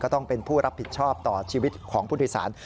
ต้องเป็นผู้รับผิดชอบต่อชีวิตของผู้โดยสาร